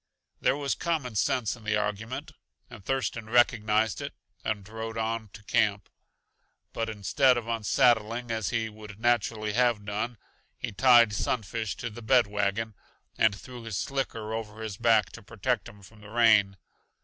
There was common sense in the argument, and Thurston recognized it and rode on to camp. But instead of unsaddling, as he would naturally have done, he tied Sunfish to the bed wagon and threw his slicker over his back to protect him from the rain.